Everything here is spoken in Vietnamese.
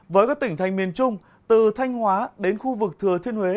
với các tỉnh thành miền trung từ thanh hóa đến khu vực thừa thiên huế